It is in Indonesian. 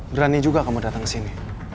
berani juga kamu datang ke sini